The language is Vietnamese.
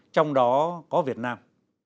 trong đó có việt nam